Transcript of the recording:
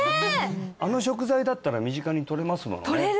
あの食材だったら身近に取れますものね取れる！